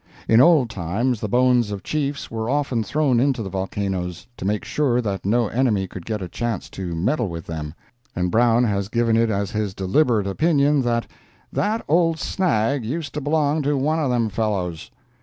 In old times, the bones of Chiefs were often thrown into the volcanoes, to make sure that no enemy could get a chance to meddle with them; and Brown has given it as his deliberate opinion that "that old snag used to belong to one of them fellows."